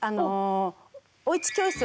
おうち教室？